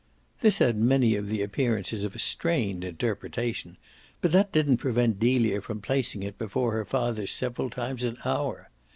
This had many of the appearances of a strained interpretation, but that didn't prevent Delia from placing it before her father several times an hour.